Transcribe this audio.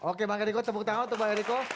oke bang ericko tepuk tangan untuk bang ericko